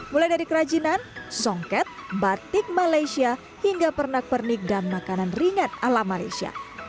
mulai dari kerajinan songket batik malaysia hingga pernak pernik dan makanan ringan ala malaysia